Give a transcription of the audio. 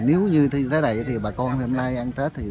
nếu như thế này thì bà con hôm nay ăn tết thì